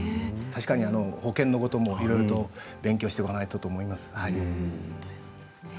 保険のこともいろいろ勉強しておかないとと思います。